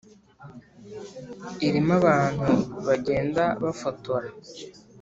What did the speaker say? irimo abantu bagenda bafotora,